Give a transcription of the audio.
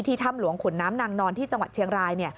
ถ้ำหลวงขุนน้ำนางนอนที่จังหวัดเชียงราย